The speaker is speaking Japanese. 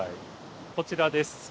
こちらです。